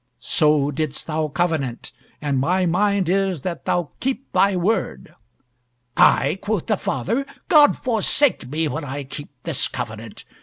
So didst thou covenant, and my mind is that thou keep thy word." "I?" quoth the father; "God forsake me when I keep this covenant!